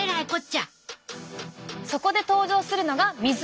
そこで登場するのが水。